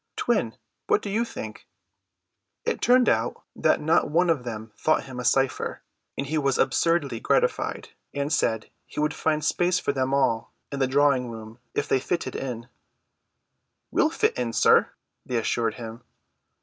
Twin, what do you think?" It turned out that not one of them thought him a cypher; and he was absurdly gratified, and said he would find space for them all in the drawing room if they fitted in. "We'll fit in, sir," they assured him.